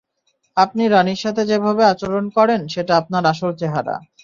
আপনি রাণীর সাথে যেভাবে আচরণ করেন, সেটা আপনার আসল চেহারা।